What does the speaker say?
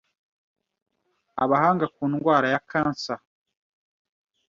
Abahanga ku ndwara ya Cancer